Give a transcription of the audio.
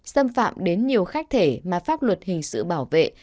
xâm phạm đến nhiều khách thể mà pháp luật hình sự bảo vệ